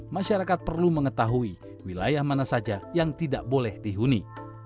masyarakat perlu mengetahui wilayah mana saja yang tidak boleh dihuni